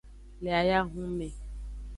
Le ayahun mme.